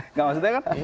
nggak maksudnya kan